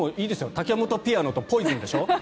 タケモトピアノと「ポイズン」でしょ？